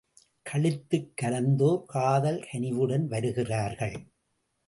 களித்துக் கலந்ததோர் காதல் கனிவுடன் வருகிறார்கள்.